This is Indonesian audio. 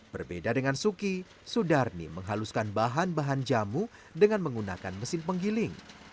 berbeda dengan suki sudarni menghaluskan bahan bahan jamu dengan menggunakan mesin penggiling